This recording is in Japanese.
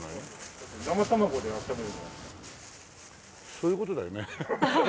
そういう事だよね。